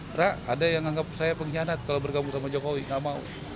prak ada yang anggap saya pengkhianat kalau bergabung sama jokowi nggak mau